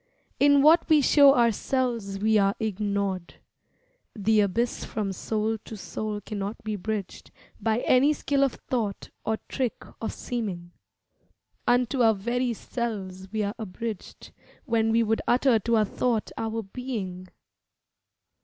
In what we show ourselves we are ignored. The abyss from soul to soul cannot be bridged By any skill of thought or trick of seeming. Unto our very selves we are abridged When we would utter to our thought our being.